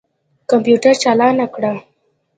کمپیوټر چالان کړه.